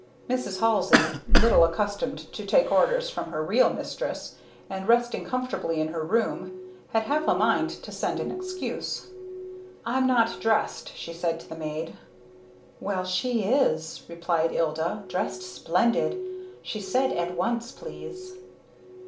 Mrs. Halsey, little accustomed to take orders from her real mistress, and resting comfortably in her room, had half a mind to send an excuse. "I'm not dressed," she said to the maid. "Well she is!" replied Ilda, "dressed splendid. She said 'at once, please.'"